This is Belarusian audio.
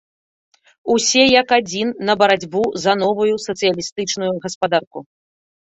Усе як адзін на барацьбу за новую сацыялістычную гаспадарку!